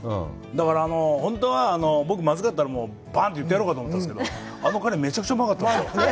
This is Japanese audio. だから、本当は僕、まずかったらバーンって言ってやろうと思ったんですけど、あのカレーめちゃくちゃうまかったんですよ。